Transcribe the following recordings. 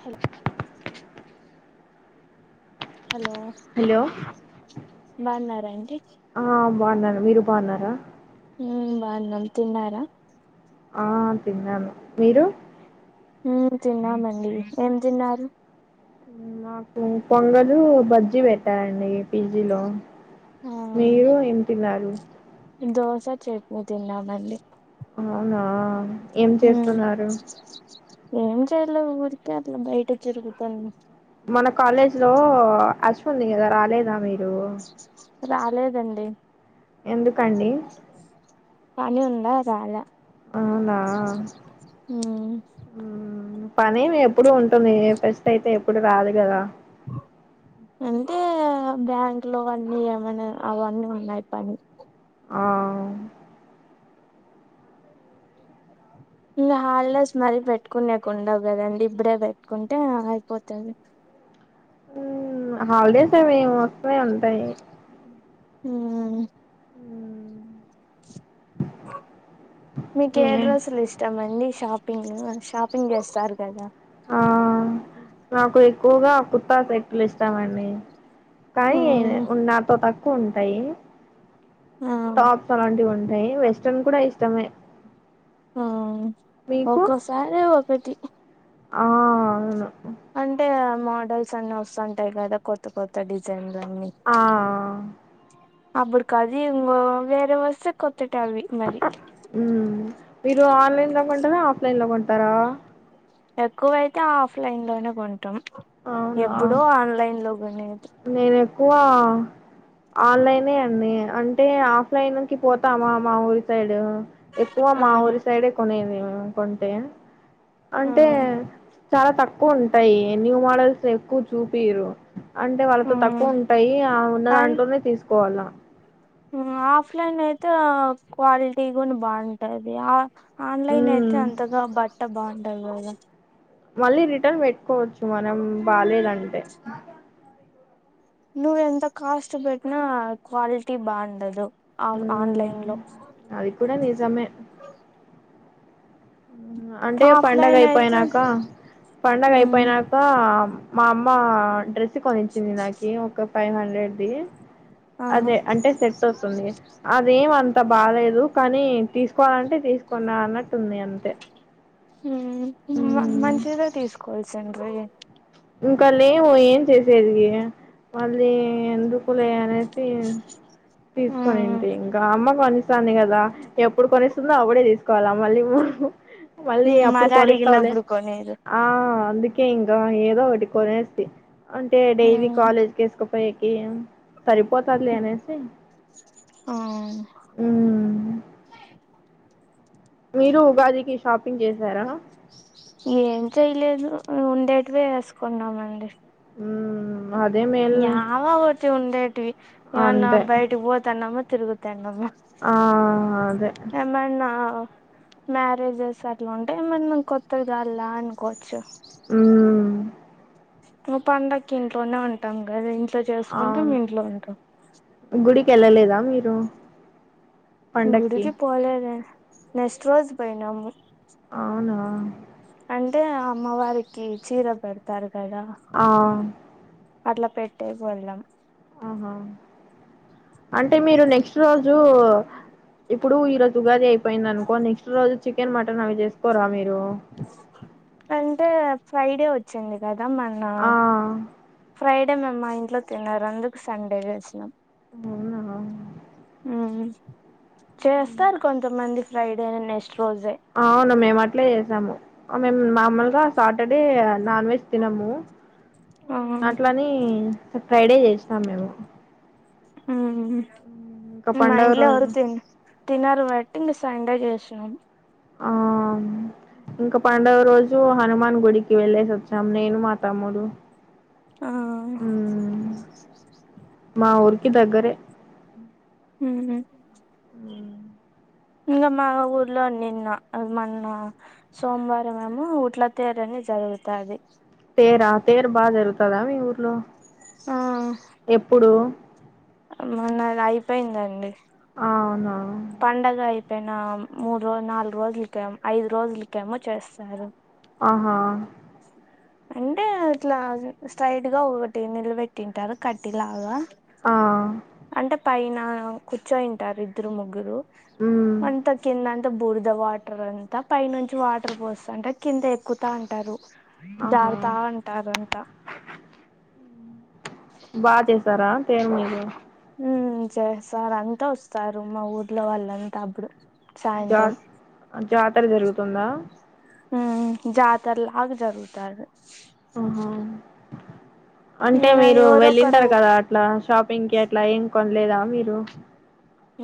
Hello hello.. hello బాన్నారాండి ఆ బాగున్నార మీరు బాగున్నారా? ఊ బాన్నమ్. తిన్నారా? ఆ తిన్నాను. మీరు? ఊ తిన్నామండి. ఏం తిన్నారు? ఊ నాకు పొంగలు, బజ్జీ వెట్టారండి పిజీలో ఆ మీరు ఏం తిన్నారు? దోశ చట్నీ తిన్నామండి. అవునా.. ఏం మ్మ్ చేస్తున్నారు? ఏం చేయలే ఊరికె అట్లా బైట తిరుగుత్తన్న అశ్వుంది గదా రాలేదా మీరు? రాలేదండి. ఎందుకండి? పని ఉందా రాలా అవునా. మ్మ్ ఊ... పని ఎప్పుడు ఉంటుంది ఫెస్ట్ అయితే ఎప్పుడు రాదు గదా ఆ అంటే.. బ్యాంక్ లో వన్నీ ఏమైనా అవన్నీ ఉన్నాయి పని ఆ. ఇంగ హాలిడేస్ మల్లి పెట్టుకునేకుండవు కదాండి ఇప్పుడే పెట్టుకుంటే ఆ అయిపోతది ఊ హాలిడేస్ ఏవే వస్తానే ఉంటాయి ఉమ్మ్ మ్మ్. మీకు ఏ డ్రస్సులు ఇష్టం అండి షాప్ పింగ్ షాపింగ్ జేస్తారు కదా ఆ నాకు ఎక్కువగా కుర్త సెట్టులు ఇస్తామండి ఆ కానీ ఉ నాతో తక్కువ ఉంటాయి ఆ టాప్స్ అలాంటివి ఉంటాయి యి వెస్ట్రన్ కూడా ఇష్టమే ఆ మీకు ఒక్కోసారి ఒకటి ఆ అవును అంటే మోడల్స్ అన్ని వస్తంటాయి కదా కొత్త కొత్త డిజైన్ ఆ అప్పుడుకాది ఇంగో వేరేవొస్తే కొ ఊ మీరు ఆన్లైన్ల కొంటారా? ఆఫ్లైన్ల కొంటారా? ఎక్కువైతే ఆఫ్ లైన్ లోనే కొంటాం అవునా ఎప్పుడో ఆన్లైన్ లో కొనేది నేను ఎక్కువ ఆన్లైనే అండి అంటే ఆఫ్లైన్ కి పోతామా మా ఊరి సైడ్ ఎక్కువ ఆ మా ఊరి సైడే కొనేది మేము కొంటే ఆ అంటే చాలా తక్కువ ఉంటాయి న్యూ మోడల్స్ ఎక్కువ చూపియ్యరు అంటే ఆ వాళ్ళకు తక్కువ ఉంటాయి ఆ ఉన్న అండ్ దాంట్లోనే తీసుకోవాల ఆఫ్లైన్ అయితే క్వాలిటీగా బాగుంటది ఆ ఆన్లైన్ అయితే మ్మ్ అంతగా బట్ట బాగుండదు కదా మళ్ళీ రిటర్న్ పెట్టుకోవచ్చు మనం బాలేదంటే నువ్వు ఎంత కాస్ట్ పెట్టినా క్వాలిటీ బాగుండదు ఆ మ్మ్ ఆన్లైన్ లో అది కూడా నిజమే అంటే పండగ ఆఫ్లైన్ అయితే అయిపోయినాక పండగ ఉమ్ అయిపోయినాక మా అమ్మ డ్రెస్ కొనించింది నాకి ఒక ఫైవ్ హండ్రెడ్ది ఆ అదే అంటే సెట్ అవుతుంది అదేమంత అంత బాలేదు కానీ తీసుకోవాలంటే తీసుకున్న అన్నట్టుంది అంతే ఉమ్ మంచిదే తీసుకోవాల్సింది ఇంకా లేవు ఏం చేసేది మళ్ళీ ఎందుకులే అనేసి సి తీసుకొని ఉమ్ ఉంటి ఇంకా అమ్మ కొనిస్తంది కదా ఎప్పుడు కొనిస్తుందో అప్పుడే తీసుకోవాలా మళ్ళీ మళ్ళీ అప్పుడు మరి కొనిస్తావులే అడిగినప్పుడు కొనేరు ఆ అందుకే ఇంకా ఏదో ఒకటి కొనేస్త అంటే డైలీ ఉమ్ కాలేజ్ కేసుక పోయేకి సరిపోతాదిలే అనేసి ఆ మీరు ఉగాదికి షాపింగ్ చేసారా ఏం చేయలేదు ఉండేటివే వేసుకున్నామండి ఉమ్ ఏవో ఓటి ఉండేట్వి ఏమన్న అంతే బయటికి పోతన్నామా తిరుగుతాన్నమా ఆ అదే ఏమన్న మ్యారేజెస్ అట్ల ఉంటే మనం కొత్తదిల్లా అనుకోవచ్చు ఉమ్ మా పండగకి ఇంట్లోనే ఉంటాం కదా ఇంట్లో చేసుకుంటం ఇంట్లో ఉంటాం కెళ్ళలేదా మీరు పండక్కి గుడికి పోలేదే నెస్ట్ రోజు పోయినాము అవునా అంటే ఆ అమ్మవారికి చీర పెడతారు కదా ఆ అట్లా పెట్టేకి వెళ్ళం ఆహా అంటే మీరు నెక్స్ట్ రోజు ఇప్పుడు ఈ రోజు ఉగాది అయిపోయింది అనుకో నెక్స్ట్ రోజు చికెన్ మటన్ అవి చేసుకోరా మీరు అంటే ఫ్రైడే వచ్చింది కదా మొన్న ఆ ఫ్రైడే మేమ్ మా ఇంట్లో తిన్నారు అందుకు సండే చేసినాం అవునా మ్మ్ చేస్తారు కొంతమంది ఫ్రైడే నెస్ అవును మేము అట్లే చేసాము మేము మామూలుగా సాటర్డే నాన్ వెజ్ తినము ఆ అట్లని ఫ్రైడే చేసినాం మేము హ్మ్ ఉమ్, ఇంకా మా పండుగ ఇంట్లో ఎవరు రోజు తి తినరు బట్టి ఇంగ సండే చేస్ శం ఆ ఇంకా పండగ రోజు హనుమాన్ గుడికి వెళ్ళేసి వచ్చాము నేను మా తమ్ముడు ఆ మ్మ్ మా ఊరికి దగ్గరే హ్మ్ ఇంగ మా ఊర్లో నిన్న మొన్న సోమవారం ఏమో ఊట్ల తేరని జరుగుతాది తేరా తేరు బాగా జరుగుతదా మీ ఊర్లో ఎప్పుడు మొన్న అది అయిపోయిందండి అవునా పెన మూడు రోజు నాలుగు రోజులకే ఐదు రోజులకేమో చేస్తారు ఆహా అంటే ఇట్లా స్ట్రెయిట్ గా ఒకటి నిలబెట్టింటారు కట్టి లాగా ఆ పైన కుచో ఇంటారు ఇద్దరు ముగ్గురు మ్మ్ అంత కిందం త బురద వాటర్ అంతా పై నుంచి వాటర్ పోస్త అంటే కింద ఎక్కుతా అంటారు ఆహా జారుతా అంటారు అంతా బా చేసారా తెర్ మీది హ్మ్ చేస్తారు అంతా వస్తారు మా ఊర్లో వాళ్ళంతా అప్పుడు జా సాయంత్రం జాతర జరుగుతుందా హ్మ్ జతరలాగ జరుగుతాది ఆహా అంటే ఇంగ మీరు ఎవరొకరు వెళ్ళింటారు కదా అట్లా షాపింగ్ కి అట్లా ఏం కొనలేదా మీరు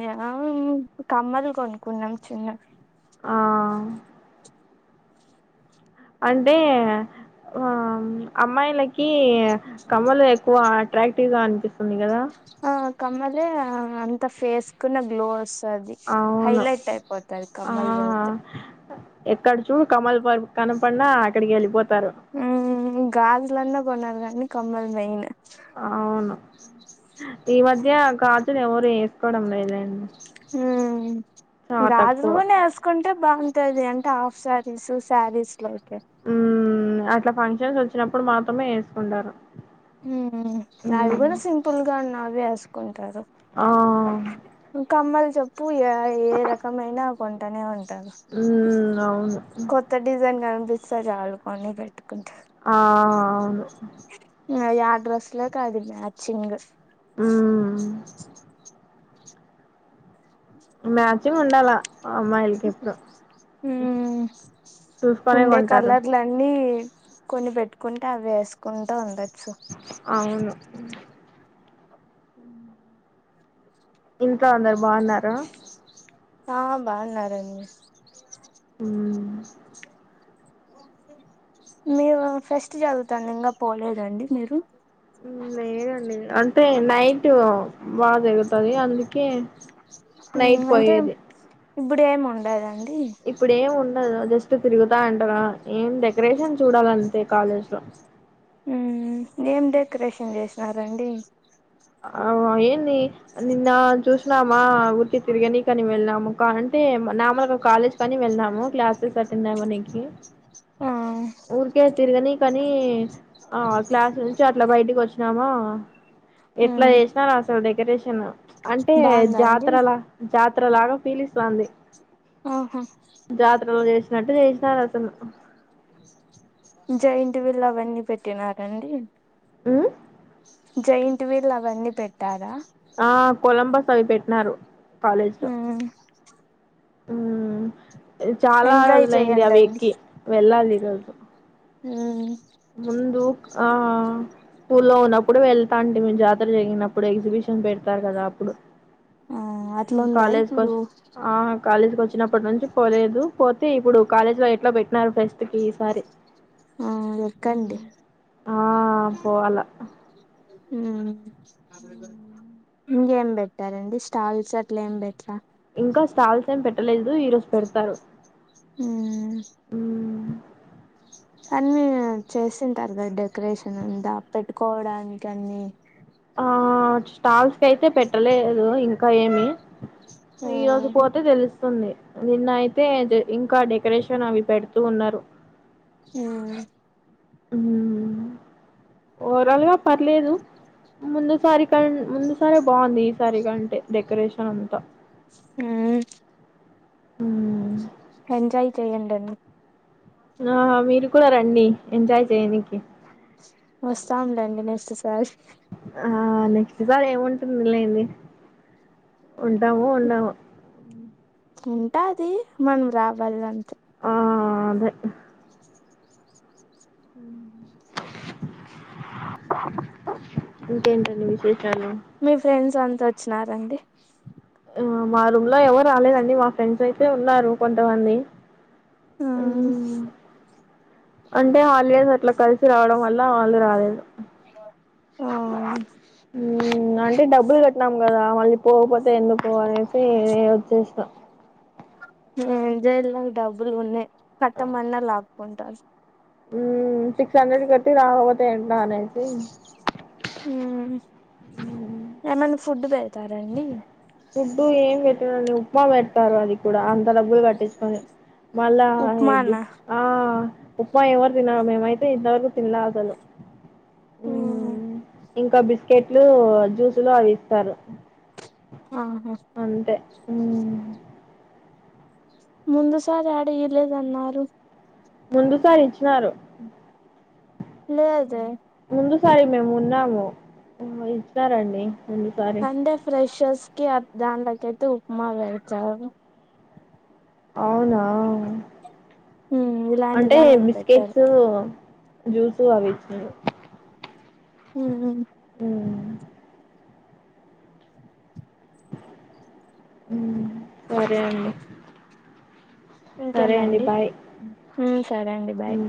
ఏమ్ కమ్మల్ కొనుకున్నాం చిన్న ఆ అంటే ఆ అమ్మాయిలకి కమ్మలు ఎక్కువ అట్రాక్టివ్ గా అనిపిస్తుంది కదా ఆ కమ్మలే అంత ఫేస్ కు నా గ్లో వస్ తది అవును హైలైట్ అయిపోతా ఆ కమ్మల్ పెడితే ఎక్కడ చూడు కమ్మలు కనపడినా అక్కడికి వెళ్ళిపో హ్మ్ గాజులన్న కొనరు కానీ కమ్మల్ మెయిన్ అవును ఈ మధ్య గాజులు ఎవరు వేసుకోవడం లేదం హ్మ్ గాజులు కూనా ఎసుకుంటే బాగుంటది అంటే హాఫ్ శారీస్ శారీస్ లోకి హ్మ్ అట్లా ఫంక్షన్స్ వచ్చినప్పుడు మాత్రమే వేసుకుంటారు హ్మ్ అవి మ్మ్ కూడా సింపుల్ గా ఉన్నవి వేసుకుంటారు ఆ కమ్మలు చెప్పు ఏ ఏ రకమైనా కొంటనే ఉం టాను మ్మ్ అవును కొత్త డిజైన్ కనిపిస్తే చాలు కొని పెట్టుకుంటా ఆ అవును ఇంగ యా డ్రస్ లోకి అది మ్యాచింగ్ హ్మ్ మ్యాచింగ్ ఉండాలా హ్మ్ చూసుకొనే ఉండే కొంటారు కలర్లన్నీ కొని పెట్టుకుంటా అవి వేసుకుంటా ఉండ అవును ఇంకా అందరు బాగున్నారా ఆ బాగున్నారండి ఉ మీరు ఫెస్ట్ జరుగుతంది ఇంగా పోలేదా అండి మీరు లేదండి అంటే నైట్ బా జరుగుతాది అందుకే ఉ నైట్ అంటే పోయేది ఇప్పుడే ఏం ఉండదా అం ఇప్పుడేం ఉం డదు జస్ట్ తిరుగుతా ఉంటారు ఆ ఏం డెకరేషన్ చూడాలంతే కాలేజ్ లో ఉ ఏం డెకరేషన్ చేసినారండి ఆ ఏంది నిన్న చూసినామా ఊరికే తిరగనికని వెళ్ళినాము కా అంటే టె నామల్ గా కాలేజ్ కని వెళ్ళానాము క్లాసెస్ అటెండ్ అవ్వనికి ఆ ఊరికే తిరగనికని ఆ క్లాస్ నుంచి అట్లా బయటికి వచ్చినామా ఎట్లా మ్మ్ చేసినార అసలు డెకరేషన్ అంటే బాగుందా అండి జాతరలా జాతర లాగా ఫీలిస్తాంది ఆహా నట్టు చేసినారసలు జైట్ వీళ్ళూ అవన్నీ పెట్టినారండి ఉహ్ జైంట్ వీళ్ అవన్నీ పెట్టారా ఆ కొలంబస్ అవి పెట్టినారు కాలేజ్ లో మ్మ్ ఉహ్ చాలా ఎంజాయ్ రోజులయింది ఆవి చెయ్యండండి ఎక్కి వెళ్ళాలి ఈ రోజు హ్మ్ ముందు ఆ స్కూల్లో ఉన్నప్పుడు వెల్ ళ్తాంటిమీ జాతర జరిగినప్పుడు ఎగ్జిబిషన్ పెడతారు కదా అప్పుడు ఆ అట్లా ఉందా కాలేజ్ ఇప్పుడు కోచ్ ఆ కాలేజ్ కోచ్ వచ్చినప్పటి నుంచి పోలేదు పోతే ఇప్పుడు కాలేజ్ లో ఎట్లా పెట్టినారు ఫెస్ట్కీ ఈసారి ఆ ఎక్కండి ఆ పోవాల హు ఇంగేం పెట్టారండి స్టాల్స్ అట్లా ఏం పెట్లా ఇంకా స్టాల్స్ ఏం పెట్టలేదు ఈరోజు పెడతారు ఉమ్ హ్ అన్ని చేసింటారు కదా డెకరేషన్ అంతా పెట్టుకోవడానికి అన్ని ఆ స్టాల్స్ కైతే పెట్టలేదు ఇంకా ఏమి ఈ రోజు ఉమ్ పోతే తెలుస్ స్తుంది నిన్న అయితే ఇంకా డెకరేషన్ అవి పెడుతూ ఉన్నారు హు ఓవర్ఆల్గా పర్లేదు ముందు సారి కం ముందు సారే బాగుంది ఈసారి కంటే డెకరేషన్ అంతా హ్మ్ హ్ ఎంజాయ్ చేయండి అన్ని ఆ మీరు కూడా రండి ఎంజాయ్ చేయనికి వస్తాంలేండి నెక్స్ట్ సారి ఆ నెక్స్ట్ సారి ఏముంటుంది లేండి ఉంటామో ఉండామో ఉంటాది మనం రావాలంట్ ఆ అదే ఇంకేంటండి విశేషాలు మీ ఫ్రెండ్స్ అంతా వచ్చినారండి ఆ! మా రూమ్ లో ఎవరు రాలేదండి మా ఫ్రెండ్స్ అయితే ఉన్నారు కొంతమంది ఆ హ్మ్. అంటే హాలిడేస్ అట్లా కలిసి రావడం వల్ల వాళ్ళు రాలేదు ఆ అంటే డబ్బులు కట్టినాం కదా మళ్ళీ పోకపోతే ఎందుకుకో అనేసి వచ్చేసి నా ఆ జైలుకు డబ్బులు ఉన్నాయి కట్టమన్నా లాక్కుంటారు ఉ సిక్స్ హండ్రెడ్ కట్టి రాకపోతే ఏంట అనేసి ఉమ్ ఉంటారండి ఫుడ్డు ఏం పెట్టిరండి ఉప్మా పెడతారు అది కూడా అంత డబ్బులు కట్టించుకొని మళ ఉప్మానా ఆ ఉప్మా ఎవరు తినరూ మేమయితే ఇంతవరకు తిన్లా అసలు ఉ ఉహు ఇంకా బిస్కెట్లు జ్యూస్లు అవి ఇస్తారు ఆహా అ ముందు సారి అడ ఇలేదన్నారు ముందు సరి ఇంచినరూ లేదే ముందుసారి మేము ఉన్నాము ఇచ్చినారండి ముందుసారి సండే ఫ్రెషర్స్ కి దాంలోకైతే ఉప్మా పెడతారు అవునా ఉమ్ ఇలాంటి అంటే దాంట్లకి పెట్టరు బిస్కెట్స్ జ్యూస్ అవి ఇచ్చినారు ఉ అ సరే అండి సరే అండి ఇంకేమండి బాయ్ సరే అండి బాయ్ ఉమ్